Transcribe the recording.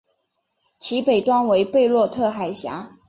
其北端为贝洛特海峡。